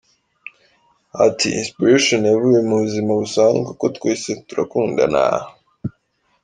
Bati: “Inspiration yavuye mu buzima busanzwe kuko twese turakundana.